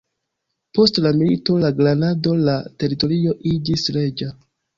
Post la Milito de Granado la teritorio iĝis reĝa.